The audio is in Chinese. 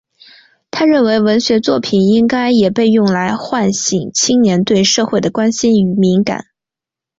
他认为文学作品应该也被用来唤醒青年对社会的关心与敏感。